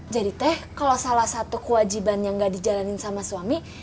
jadi teh kalau salah satu kewajiban yang gak dijalani sama suami